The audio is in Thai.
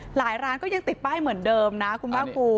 หลายร้านก็ติดป้ายเหมือนเดิมนะคุณผ้ากลุม